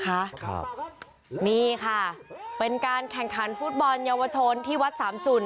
ครับนี่ค่ะเป็นการแข่งขันฟุตบอลเยาวชนที่วัดสามจุ่น